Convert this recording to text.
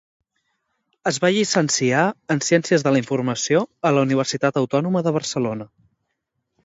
Es va llicenciar en Ciències de la Informació a la Universitat Autònoma de Barcelona.